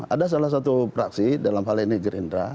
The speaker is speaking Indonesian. ada salah satu praksi dalam hal ini gerindra